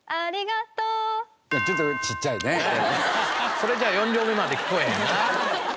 それじゃあ４両目まで聞こえへんな。